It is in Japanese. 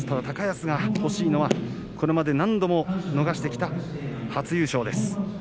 高安が欲しいのは、これまで何度も逃してきた初優勝です。